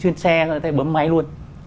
chuyên xe bấm máy luôn